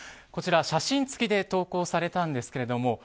こちら、写真付きで投稿されたんですけど